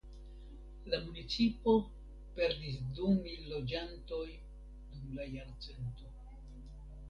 La municipo perdis du mil loĝantojn dum la jarcento.